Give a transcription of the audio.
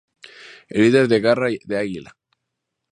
El líder de Garra de Águila.